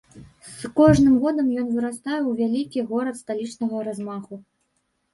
З кожным годам ён выростае ў вялікі горад сталічнага размаху.